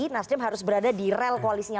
nasdem harus berada di rel koalisinya